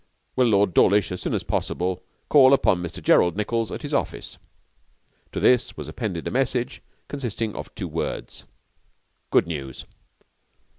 Will Lord Dawlish as soon as possible call upon Mr Gerald Nichols at his office?' To this was appended a message consisting of two words: 'Good news.'